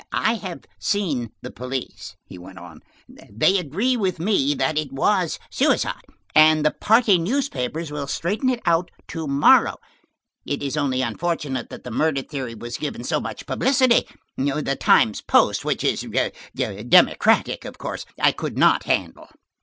"I have seen the police," he went on. "They agree with me that it was suicide, and the party newspapers will straighten it out to morrow. It is only unfortunate that the murder theory was given so much publicity. The Times Post, which is Democratic, of course, I can not handle."